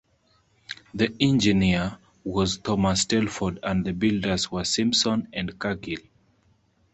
The engineer was Thomas Telford and the builders were Simpson and Cargill.